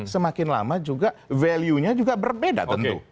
semakin lama juga value nya juga berbeda tentu